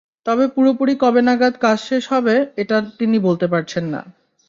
তবে পুরোপুরি কবে নাগাদ কাজ শেষ হবে, এটা তিনি বলতে পারছেন না।